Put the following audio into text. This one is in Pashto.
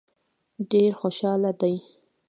ډېر خوشاله دي.